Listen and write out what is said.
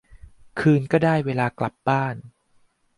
คืนก็ได้เวลากลับบ้าน